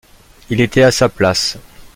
Il était à sa place.